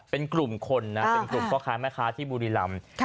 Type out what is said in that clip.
เป็นกลุ่มคนนะเป็นกลุ่มพ่อค้าแม่ค้าที่บุรีรำ